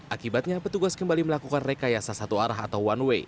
akibatnya petugas kembali melakukan rekayasa satu arah atau one way